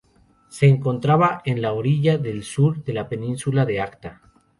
Se encontraba en la orilla del sur de la península de Acta.